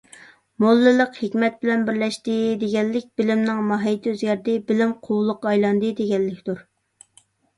«موللا»لىق «ھېكمەت» بىلەن بىرلەشتى، دېگەنلىك بىلىمنىڭ ماھىيتى ئۆزگەردى، بىلىم قۇۋلۇققا ئايلاندى دېگەنلىكتۇر.